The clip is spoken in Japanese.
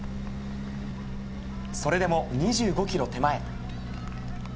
それでも２５ｋｍ手前。